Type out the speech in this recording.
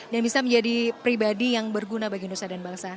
dan bisa menjadi pribadi yang berguna bagi indonesia dan bangsa